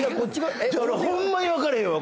俺ホンマに分からへんわ